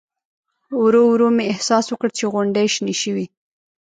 ورو ورو مې احساس وکړ چې غونډۍ شنې شوې.